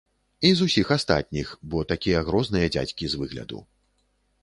І з усіх астатніх, бо такія грозныя дзядзькі з выгляду.